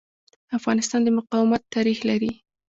افغانستان د مقاومت تاریخ لري.